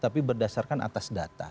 tapi berdasarkan atas data